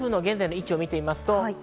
台風の現在の位置を見てみます。